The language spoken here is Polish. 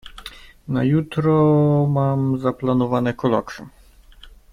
Na jutro mam zaplanowane kolokwium.